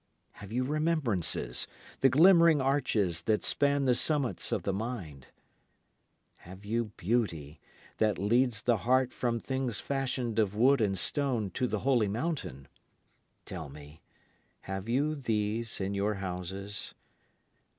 Have you remembrances, the glimmering arches that span the summits of the mind? Have you beauty, that leads the heart from things fashioned of wood and stone to the holy mountain? Tell me, have you these in your houses?